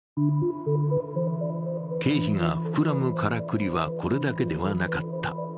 経費が膨らむからくりは、これだけではなかった。